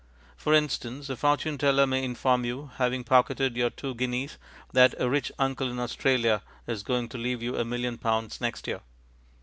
For instance, a fortune teller may inform you, having pocketed your two guineas, that a rich uncle in Australia is going to leave you a million pounds next year.